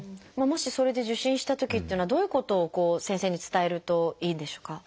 もしそれで受診したときっていうのはどういうことを先生に伝えるといいんでしょうか？